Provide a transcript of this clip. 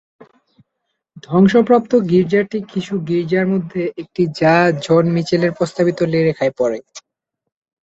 ধ্বংসপ্রাপ্ত গির্জাটি কিছু গির্জার মধ্যে একটি যা জন মিচেলের প্রস্তাবিত লে রেখায় পড়ে।